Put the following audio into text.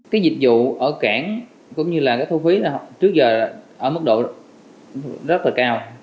cái dịch vụ ở cảng cũng như là cái thu phí là trước giờ ở mức độ rất là cao